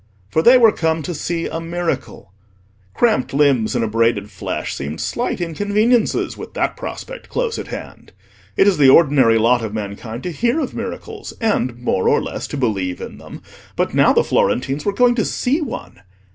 For they were come to see a Miracle: cramped limbs and abraded flesh seemed slight inconveniences with that prospect close at hand. It is the ordinary lot of mankind to hear of miracles, and more or less to believe in them; but now the Florentines were going to see one.